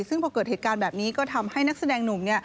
ซึ่งพอเกิดเหตุการณ์แบบนี้ก็ทำให้นักแสดงหนุ่ม